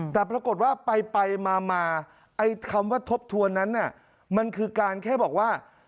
แต่ปรากฏว่าไปมาไอ้คำว่าทบทวนนั้นมันคือการแค่บอกว่า